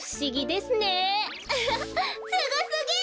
すごすぎる！